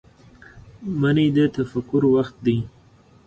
منی د تفکر وخت دی